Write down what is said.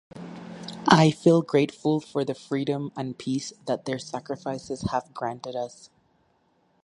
I feel grateful for the freedom and peace that their sacrifices have granted us.